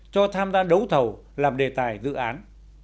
cho tham gia đấu thầu làm đề tài dự án